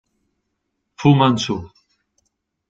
Fu Manchu.